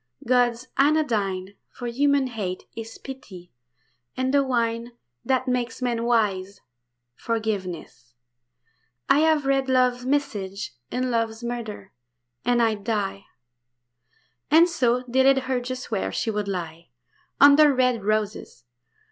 .. God's anodyne For human hate is pity; and the wine That makes men wise, forgiveness. I have read Love's message in love's murder, and I die." And so they laid her just where she would lie, Under red roses.